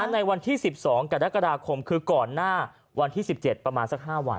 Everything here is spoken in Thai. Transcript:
ในวันที่๑๒กรกฎาคมคือก่อนหน้าวันที่๑๗ประมาณสัก๕วัน